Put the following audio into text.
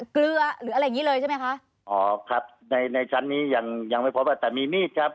อ๋อครับในชั้นนี้ยังไม่พบแต่มีมีดครับ